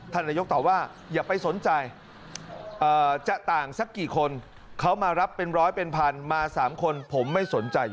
ท่านนายกตอบว่าอย่าไปสนใจ